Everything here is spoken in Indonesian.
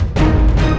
aku akan menang